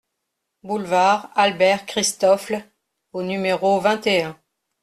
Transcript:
Boulevard Albert Christophle au numéro vingt et un